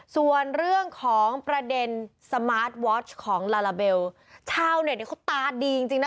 ส่วนเรื่องของประเด็นสมาร์ทวอชของลาลาเบลชาวเน็ตเนี่ยเขาตาดีจริงจริงนะ